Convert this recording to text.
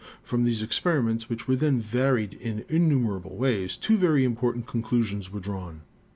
From these experiments, which were then varied in innumerable ways, two very important conclu sions were drawn.